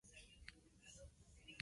Ellos nacieron antes.